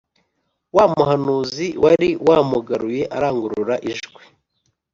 wa muhanuzi wari wamugaruye arangurura ijwi